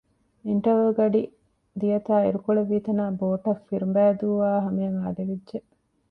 އިންޓަވަލް ގަޑި ދިޔަތާ އިރުކޮޅެއް ވީތަނާ ބޯޓަށް ފިރުބަނއިދޫ އާ ހަމައަށް އާދެވިއްޖެ